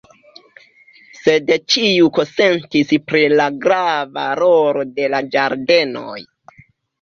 Sed ĉiu konsentis pri la grava rolo de la ĝardenoj.